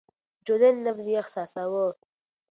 د ټولنې نبض يې احساساوه.